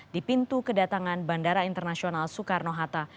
di pintu kedatangan bandara internasional soekarno hatta